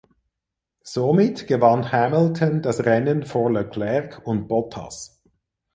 Somit gewann Hamilton das Rennen vor Leclerc und Bottas.